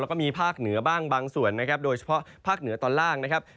แล้วก็มีภาคเหนือบ้างบางส่วนนะครับโดยเฉพาะภาคเหนือตอนล่างนะครับ